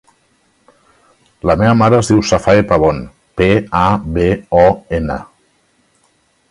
La meva mare es diu Safae Pabon: pe, a, be, o, ena.